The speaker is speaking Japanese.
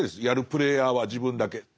やるプレーヤーは自分だけ。